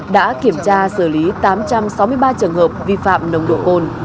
đã kiểm tra xử lý tám trăm sáu mươi ba trường hợp vi phạm nồng độ cồn